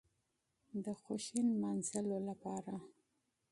د خوښۍ نماځلو لپاره